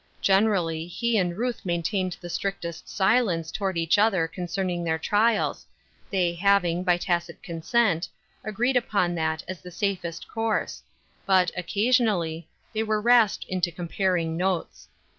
Generally, he and Ruth maintained the strictest silence toward each other concerning their trials, they having, by tacit consent, agreed upon that as the safest course v^ut, occasion ally, they were rasped into comparing notes.